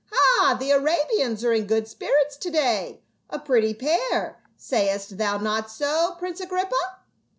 " Ha, the Arabians are in good spirits to day ! A pretty pair, sayest thou not so, prince Agrippa?"